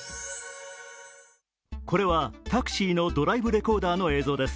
これはタクシーのドライブレコーダーの映像です。